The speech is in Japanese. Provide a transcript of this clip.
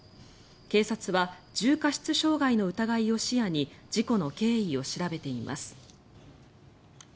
警察は重過失傷害の疑いを視野に事故の経緯を調べています。